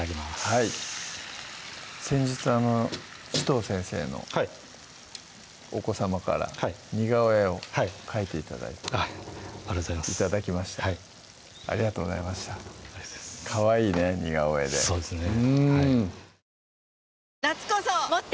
はい先日紫藤先生のはいお子さまから似顔絵を描いて頂いてありがとうございます頂きましたありがとうございましたありがとうございますかわいいね似顔絵でそうですね